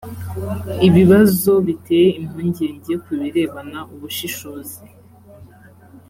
ibibazo biteye impungenge ku birebana ubushishozi